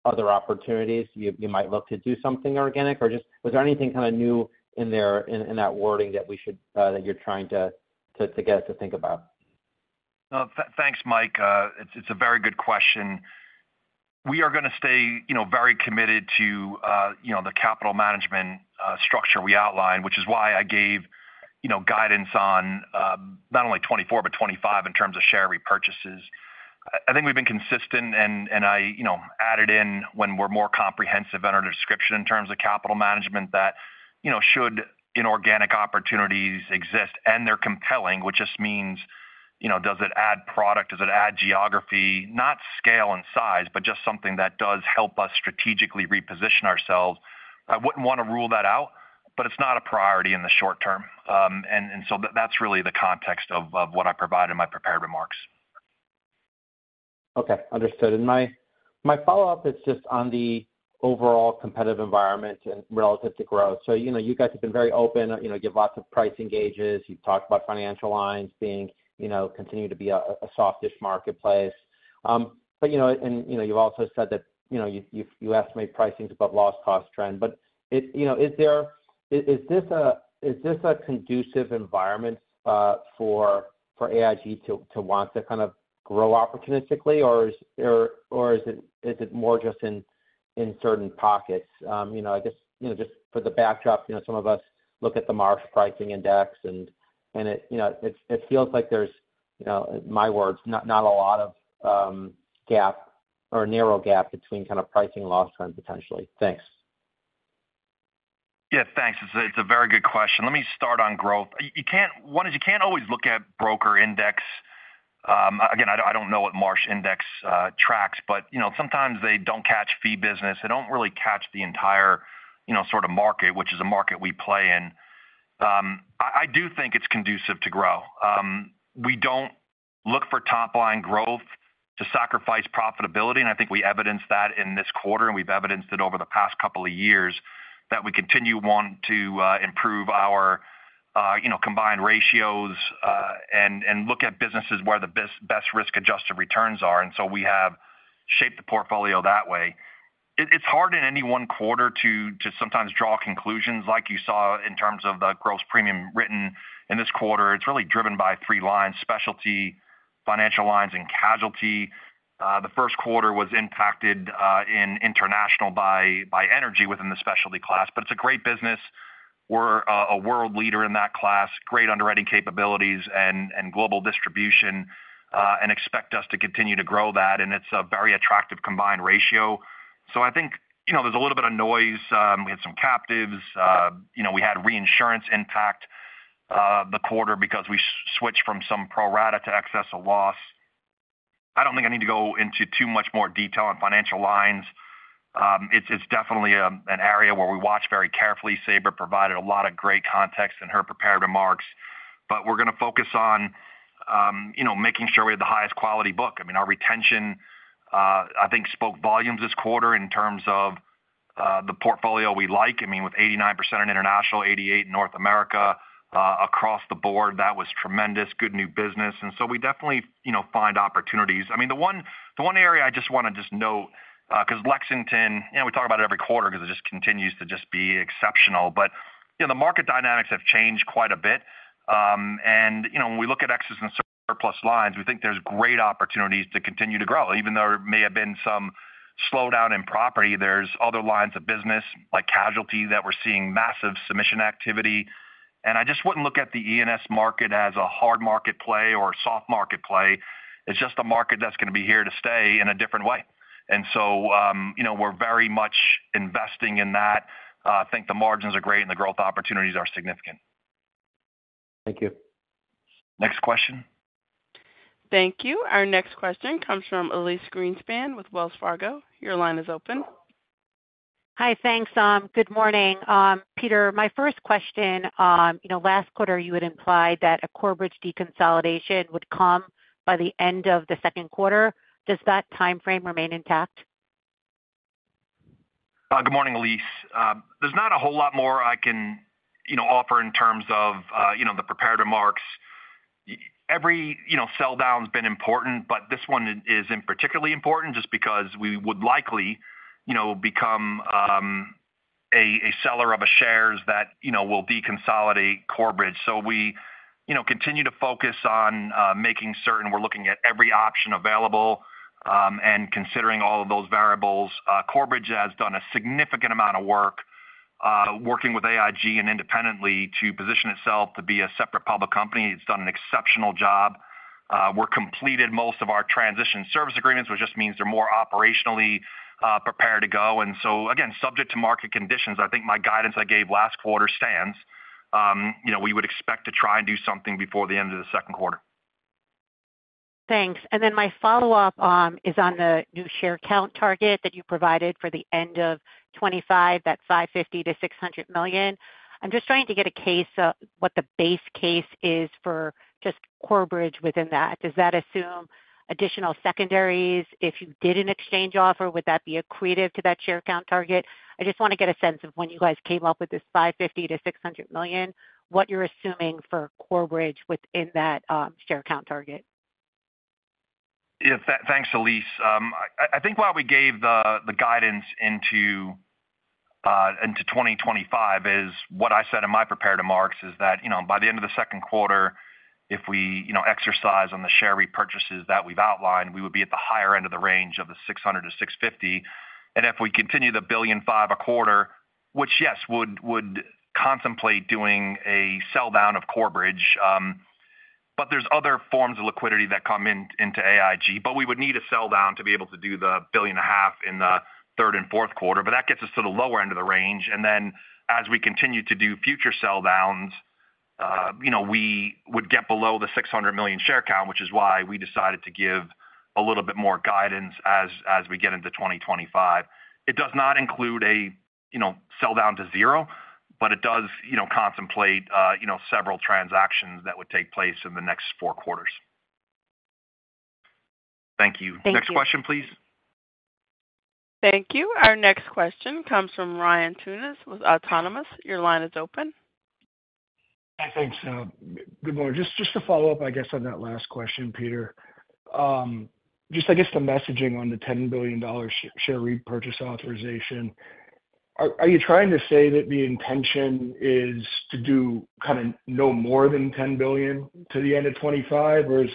S5: other opportunities, you might look to do something organic? Or just was there anything kind of new in there, in that wording that we should that you're trying to get us to think about?
S3: Thanks, Mike. It's a very good question. We are gonna stay, you know, very committed to, you know, the capital management structure we outlined, which is why I gave, you know, guidance on not only 2024, but 2025 in terms of share repurchases. I think we've been consistent, and I, you know, added in when we're more comprehensive in our description in terms of capital management, that, you know, should inorganic opportunities exist and they're compelling, which just means, you know, does it add product? Does it add geography? Not scale and size, but just something that does help us strategically reposition ourselves. I wouldn't want to rule that out, but it's not a priority in the short term. And so that's really the context of what I provided in my prepared remarks.
S5: Okay, understood. My follow-up is just on the overall competitive environment and relative to growth. So, you know, you guys have been very open, you know, give lots of pricing gauges. You've talked about Financial Lines being, you know, continuing to be a softish marketplace. But, you know, and, you know, you've also said that, you know, you estimate pricing is above loss cost trend. But, you know, is this a conducive environment for AIG to want to kind of grow opportunistically, or is it more just in certain pockets? You know, I just, you know, just for the backdrop, you know, some of us look at the Marsh pricing index, and, and it, you know, it, it feels like there's, you know, my words, not, not a lot of gap or narrow gap between kind of pricing loss trend potentially. Thanks.
S3: Yeah, thanks. It's a very good question. Let me start on growth. You can't always look at broker index. Again, I don't know what Marsh index tracks, but you know, sometimes they don't catch fee business. They don't really catch the entire, you know, sort of market, which is a market we play in. I do think it's conducive to grow. We don't look for top-line growth to sacrifice profitability, and I think we evidenced that in this quarter, and we've evidenced it over the past couple of years, that we continue want to improve our, you know, combined ratios, and look at businesses where the best risk-adjusted returns are, and so we have shaped the portfolio that way. It's hard in any one quarter to sometimes draw conclusions like you saw in terms of the gross premium written in this quarter. It's really driven by three lines: Specialty, Financial Lines, and Casualty. The first quarter was impacted in international by Energy within the specialty class, but it's a great business. We're a world leader in that class, great underwriting capabilities and global distribution, and expect us to continue to grow that, and it's a very attractive combined ratio. So I think, you know, there's a little bit of noise. We had some captives. You know, we had reinsurance impact the quarter because we switched from some pro rata to excess of loss. I don't think I need to go into too much more detail on Financial Lines. It's definitely an area where we watch very carefully. Sabra provided a lot of great context in her prepared remarks. But we're going to focus on, you know, making sure we have the highest quality book. I mean, our retention, I think, spoke volumes this quarter in terms of the portfolio we like. I mean, with 89% in international, 88% in North America, across the board, that was tremendous. Good new business. And so we definitely, you know, find opportunities. I mean, the one area I just want to just note, 'cause Lexington, you know, we talk about it every quarter because it just continues to just be exceptional. But, you know, the market dynamics have changed quite a bit. You know, when we look at excess and surplus lines, we think there's great opportunities to continue to grow. Even though there may have been some slowdown in property, there's other lines of business, like casualty, that we're seeing massive submission activity. And I just wouldn't look at the E&S market as a hard market play or a soft market play. It's just a market that's going to be here to stay in a different way. And so, you know, we're very much investing in that. I think the margins are great, and the growth opportunities are significant.
S5: Thank you.
S3: Next question.
S1: Thank you. Our next question comes from Elyse Greenspan with Wells Fargo. Your line is open.
S6: Hi, thanks. Good morning. Peter, my first question, you know, last quarter, you had implied that a Corebridge deconsolidation would come by the end of the second quarter. Does that timeframe remain intact?
S3: Good morning, Elyse. There's not a whole lot more I can, you know, offer in terms of, you know, the prepared remarks. Every, you know, sell-down's been important, but this one is, is particularly important just because we would likely, you know, become a seller of A shares that, you know, will deconsolidate Corebridge. So we, you know, continue to focus on making certain we're looking at every option available, and considering all of those variables. Corebridge has done a significant amount of work, working with AIG and independently to position itself to be a separate public company. It's done an exceptional job. We've completed most of our transition service agreements, which just means they're more operationally prepared to go. And so again, subject to market conditions, I think my guidance I gave last quarter stands. You know, we would expect to try and do something before the end of the second quarter.
S6: Thanks. Then my follow-up is on the new share count target that you provided for the end of 2025, that 550 million-600 million. I'm just trying to get a sense of what the base case is for just Corebridge within that. Does that assume additional secondaries? If you did an exchange offer, would that be accretive to that share count target? I just want to get a sense of when you guys came up with this 550 million-600 million, what you're assuming for Corebridge within that share count target.
S3: Yeah. Thanks, Elise. I think why we gave the guidance into 2025 is what I said in my prepared remarks is that, you know, by the end of the second quarter, if we, you know, exercise on the share repurchases that we've outlined, we would be at the higher end of the range of the 600-650. And if we continue the $1.05 billion a quarter, which, yes, would contemplate doing a sell down of Corebridge, but there's other forms of liquidity that come into AIG. But we would need a sell down to be able to do the $1.5 billion in the third and fourth quarter, but that gets us to the lower end of the range. Then as we continue to do future sell downs, you know, we would get below the 600 million share count, which is why we decided to give a little bit more guidance as we get into 2025. It does not include a, you know, sell down to zero, but it does, you know, contemplate, you know, several transactions that would take place in the next four quarters. Thank you.
S6: Thank you.
S3: Next question, please.
S1: Thank you. Our next question comes from Ryan Tunis with Autonomous. Your line is open....
S7: I think so. Good morning. Just to follow up, I guess, on that last question, Peter. Just, I guess, the messaging on the $10 billion share repurchase authorization. Are you trying to say that the intention is to do kind of no more than $10 billion to the end of 2025? Or is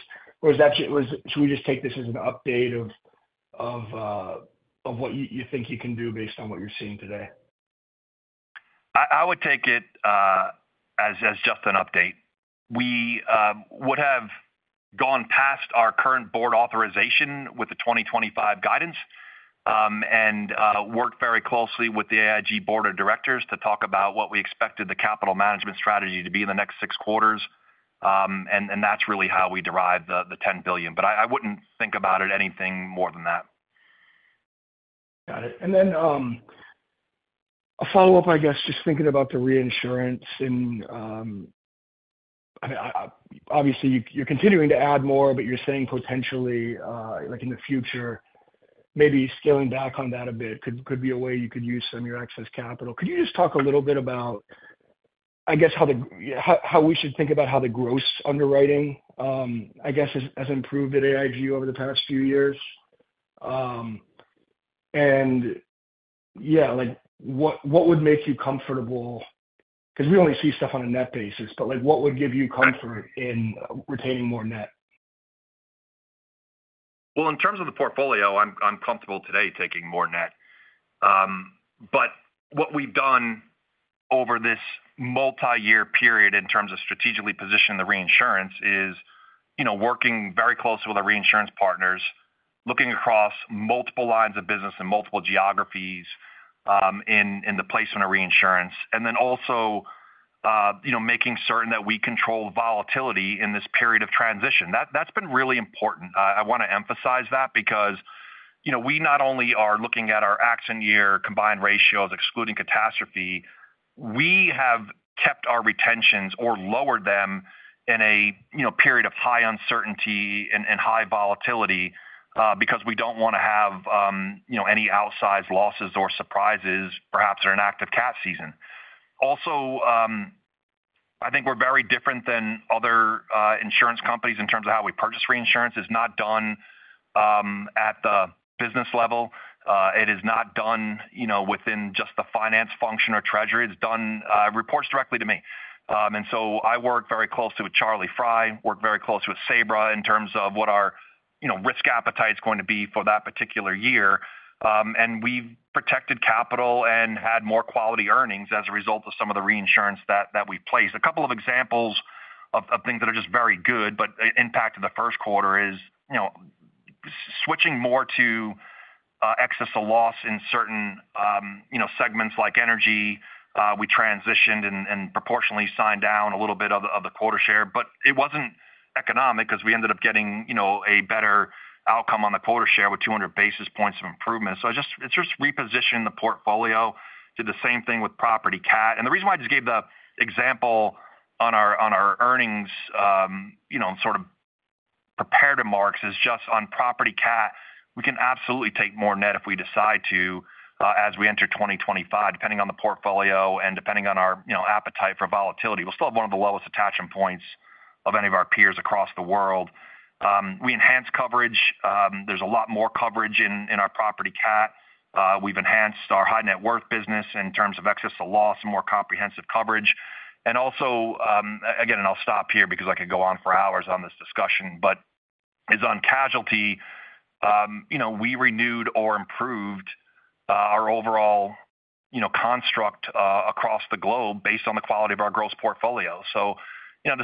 S7: that - should we just take this as an update of what you think you can do based on what you're seeing today?
S3: I would take it as just an update. We would have gone past our current board authorization with the 2025 guidance, and worked very closely with the AIG board of directors to talk about what we expected the capital management strategy to be in the next six quarters. And that's really how we derive the $10 billion. But I wouldn't think about it anything more than that.
S7: Got it. And then, a follow-up, I guess, just thinking about the reinsurance in, I mean, obviously, you're continuing to add more, but you're saying potentially, like, in the future, maybe scaling back on that a bit could be a way you could use some of your excess capital. Could you just talk a little bit about, I guess, how we should think about how the gross underwriting has improved at AIG over the past few years? And yeah, like, what would make you comfortable? Because we only see stuff on a net basis, but, like, what would give you comfort in retaining more net?
S3: Well, in terms of the portfolio, I'm comfortable today taking more net. But what we've done over this multiyear period in terms of strategically positioning the reinsurance is, you know, working very closely with our reinsurance partners, looking across multiple lines of business and multiple geographies, in the placement of reinsurance, and then also, you know, making certain that we control volatility in this period of transition. That's been really important. I want to emphasize that because, you know, we not only are looking at our accident year combined ratios, excluding catastrophe, we have kept our retentions or lowered them in a, you know, period of high uncertainty and high volatility, because we don't want to have, you know, any outsized losses or surprises, perhaps, in an active cat season. Also, I think we're very different than other insurance companies in terms of how we purchase reinsurance. It's not done at the business level. It is not done, you know, within just the finance function or treasury. It's done, reports directly to me. And so I work very closely with Charlie Fry, work very closely with Sabra in terms of what our, you know, risk appetite is going to be for that particular year. And we've protected capital and had more quality earnings as a result of some of the reinsurance that we've placed. A couple of examples of things that are just very good, but impact in the first quarter is, you know, switching more to excess of loss in certain, you know, segments like Energy. We transitioned and proportionately signed down a little bit of the quota share, but it wasn't economic because we ended up getting, you know, a better outcome on the quota share with 200 basis points of improvement. So I just—it's just repositioning the portfolio. Did the same thing with property cat. And the reason why I just gave the example on our earnings, you know, sort of prepared remarks, is just on property cat, we can absolutely take more net if we decide to, as we enter 2025, depending on the portfolio and depending on our, you know, appetite for volatility. We'll still have one of the lowest attachment points of any of our peers across the world. We enhanced coverage. There's a lot more coverage in our Property cat. We've enhanced our High Net Worth business in terms of excess of loss, more comprehensive coverage. And also, again, and I'll stop here because I could go on for hours on this discussion, but is on casualty, you know, we renewed or improved our overall, you know, construct across the globe based on the quality of our gross portfolio. So, you know,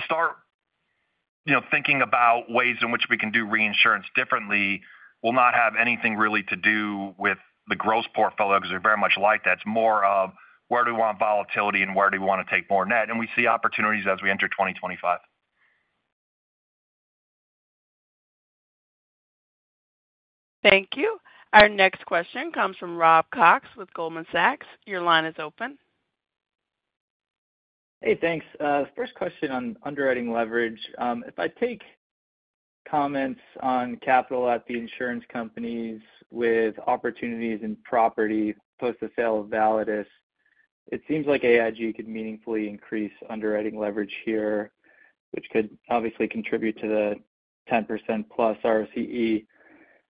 S3: to start, you know, thinking about ways in which we can do reinsurance differently will not have anything really to do with the gross portfolio, because we very much like that. It's more of where do we want volatility and where do we want to take more net? And we see opportunities as we enter 2025.
S1: Thank you. Our next question comes from Rob Cox with Goldman Sachs. Your line is open.
S8: Hey, thanks. First question on underwriting leverage. If I take comments on capital at the insurance companies with opportunities in property post the sale of Validus, it seems like AIG could meaningfully increase underwriting leverage here, which could obviously contribute to the 10%+ ROCE.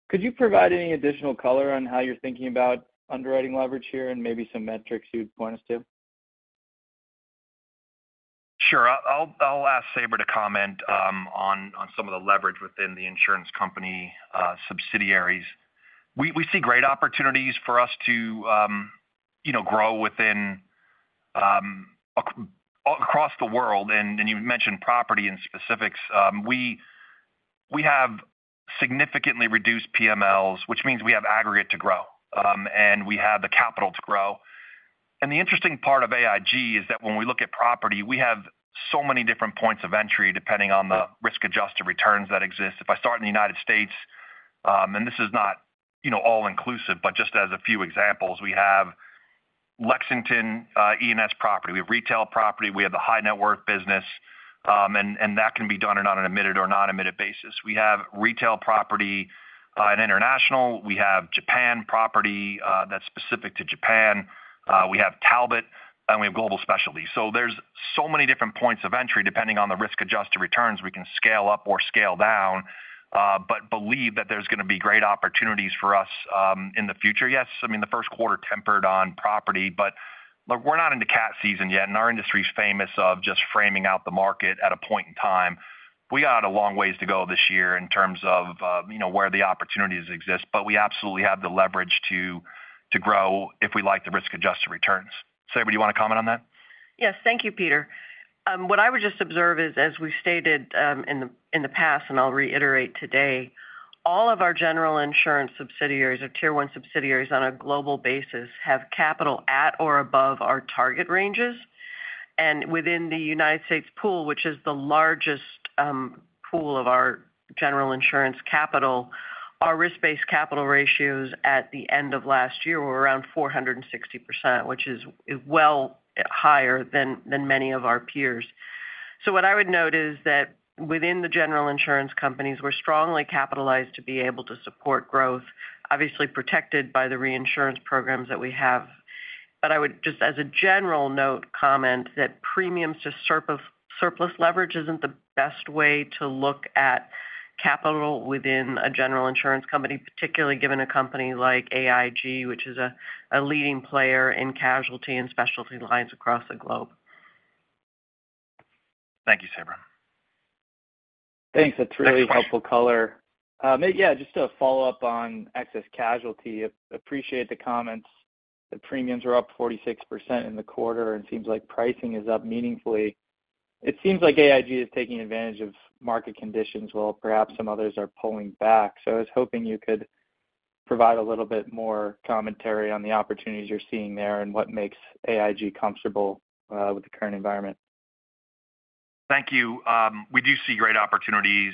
S8: Could you provide any additional color on how you're thinking about underwriting leverage here and maybe some metrics you'd point us to?
S3: Sure. I'll ask Sabra to comment on some of the leverage within the insurance company subsidiaries. We see great opportunities for us to, you know, grow across the world, and you mentioned property and specifics. We have significantly reduced PMLs, which means we have aggregate to grow, and we have the capital to grow. And the interesting part of AIG is that when we look at property, we have so many different points of entry, depending on the risk-adjusted returns that exist. If I start in the United States, and this is not, you know, all inclusive, but just as a few examples, we have Lexington, E&S property, we have retail property, we have the High Net Worth business, and that can be done on an admitted or non-admitted basis. We have retail property in international. We have Japan property that's specific to Japan. We have Talbot, and we have Global Specialties. So there's so many different points of entry, depending on the risk-adjusted returns, we can scale up or scale down, but believe that there's going to be great opportunities for us in the future. Yes, I mean, the first quarter tempered on property, but look, we're not into cat season yet, and our industry is famous of just framing out the market at a point in time. We got a long ways to go this year in terms of, you know, where the opportunities exist, but we absolutely have the leverage to grow if we like the risk-adjusted returns. Sabra, do you want to comment on that?
S4: Yes, thank you, Peter. What I would just observe is, as we've stated, in the past, and I'll reiterate today, all of our General Insurance subsidiaries or Tier 1 subsidiaries on a global basis, have capital at or above our target ranges. And within the United States pool, which is the largest, pool of our General Insurance capital, our risk-based capital ratios at the end of last year were around 460%, which is, well higher than, than many of our peers. So what I would note is that within the General Insurance companies, we're strongly capitalized to be able to support growth, obviously protected by the reinsurance programs that we have. I would just as a general note, comment that premiums to surplus leverage isn't the best way to look at capital within a General Insurance company, particularly given a company like AIG, which is a leading player in casualty and specialty lines across the globe.
S3: Thank you, Sabra.
S8: Thanks. That's really helpful color. Yeah, just to follow up on Excess Casualty, appreciate the comments. The premiums are up 46% in the quarter, and it seems like pricing is up meaningfully. It seems like AIG is taking advantage of market conditions, while perhaps some others are pulling back. So I was hoping you could provide a little bit more commentary on the opportunities you're seeing there and what makes AIG comfortable with the current environment.
S3: Thank you. We do see great opportunities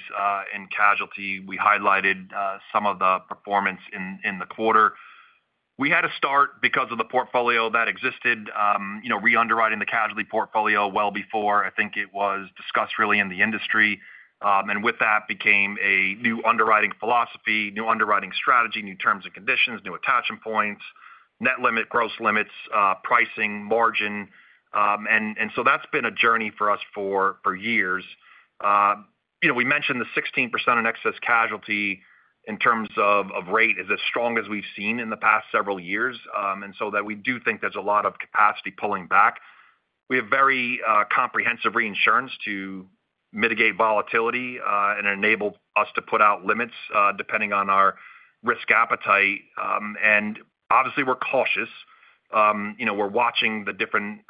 S3: in casualty. We highlighted some of the performance in the quarter. We had a start because of the portfolio that existed, you know, reunderwriting the casualty portfolio well before I think it was discussed really in the industry. And with that became a new underwriting philosophy, new underwriting strategy, new terms and conditions, new attachment points, net limit, gross limits, pricing, margin. So that's been a journey for us for years. You know, we mentioned the 16% in Excess Casualty in terms of rate is as strong as we've seen in the past several years, and so that we do think there's a lot of capacity pulling back. We have very comprehensive reinsurance to mitigate volatility and enable us to put out limits depending on our risk appetite. And obviously, we're cautious. You know, we're watching the different,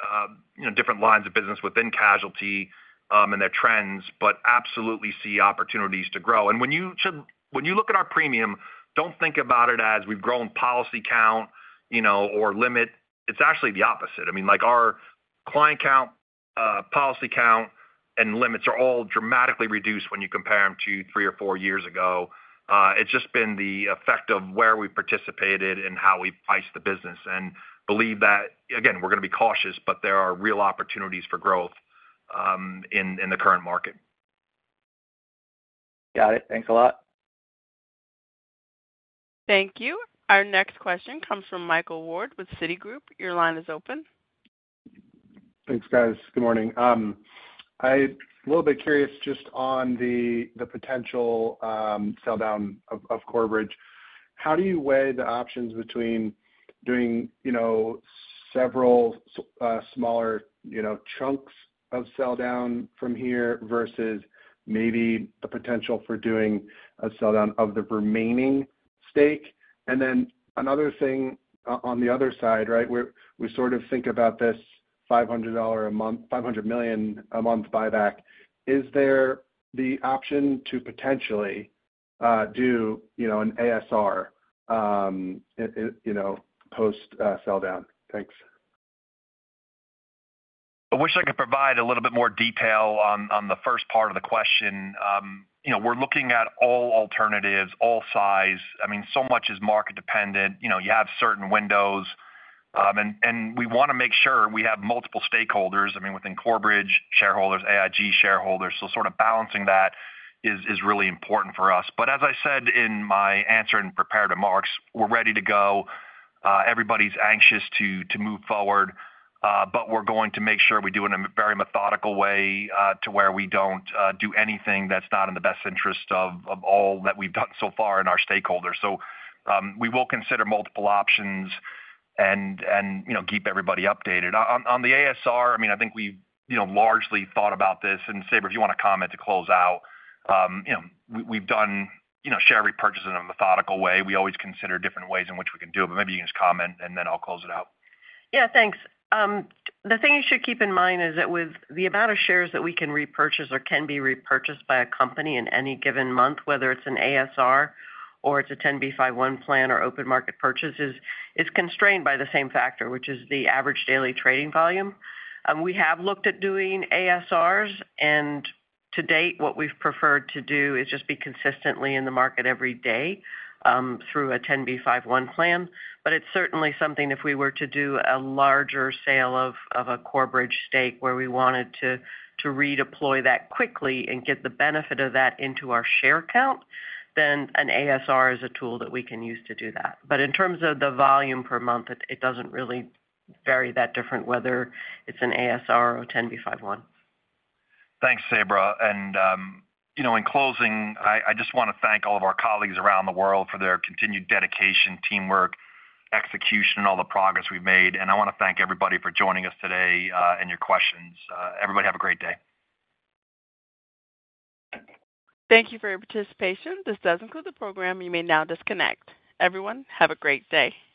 S3: you know, different lines of business within casualty and their trends, but absolutely see opportunities to grow. When you look at our premium, don't think about it as we've grown policy count, you know, or limit. It's actually the opposite. I mean, like, our client count, policy count, and limits are all dramatically reduced when you compare them to three or four years ago. It's just been the effect of where we participated and how we priced the business, and believe that, again, we're going to be cautious, but there are real opportunities for growth in the current market.
S8: Got it. Thanks a lot.
S1: Thank you. Our next question comes from Michael Ward with Citigroup. Your line is open.
S9: Thanks, guys. Good morning. I'm a little bit curious just on the potential sell-down of Corebridge. How do you weigh the options between doing, you know, several smaller, you know, chunks of sell-down from here versus maybe the potential for doing a sell-down of the remaining stake? And then another thing on the other side, right, where we sort of think about this $500 million a month buyback. Is there the option to potentially do, you know, an ASR, you know, post sell-down? Thanks.
S3: I wish I could provide a little bit more detail on the first part of the question. You know, we're looking at all alternatives, all size. I mean, so much is market dependent. You know, you have certain windows, and we want to make sure we have multiple stakeholders, I mean, within Corebridge, shareholders, AIG shareholders. So sort of balancing that is really important for us. But as I said in my answer in prepared remarks, we're ready to go. Everybody's anxious to move forward, but we're going to make sure we do it in a very methodical way, to where we don't do anything that's not in the best interest of all that we've done so far in our stakeholders. So, we will consider multiple options and, you know, keep everybody updated. On the ASR, I mean, I think we've, you know, largely thought about this, and Sabra, if you want to comment to close out. You know, we've done, you know, share repurchase in a methodical way. We always consider different ways in which we can do it, but maybe you can just comment, and then I'll close it out.
S4: Yeah, thanks. The thing you should keep in mind is that with the amount of shares that we can repurchase or can be repurchased by a company in any given month, whether it's an ASR or it's a 10b5-1 plan or open market purchases, it's constrained by the same factor, which is the average daily trading volume. We have looked at doing ASRs, and to date, what we've preferred to do is just be consistently in the market every day through a 10b5-1 plan. But it's certainly something if we were to do a larger sale of a Corebridge stake, where we wanted to redeploy that quickly and get the benefit of that into our share count, then an ASR is a tool that we can use to do that. But in terms of the volume per month, it doesn't really vary that different, whether it's an ASR or 10b5-1.
S3: Thanks, Sabra. And you know, in closing, I just want to thank all of our colleagues around the world for their continued dedication, teamwork, execution, and all the progress we've made. And I want to thank everybody for joining us today and your questions. Everybody, have a great day.
S1: Thank you for your participation. This does conclude the program. You may now disconnect. Everyone, have a great day.